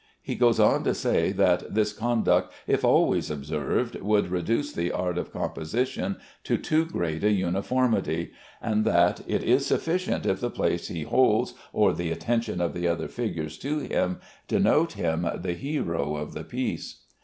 He goes on to say that "this conduct, if always observed, would reduce the art of composition to too great a uniformity," and that "it is sufficient if the place he holds, or the attention of the other figures to him, denote him the hero of the piece."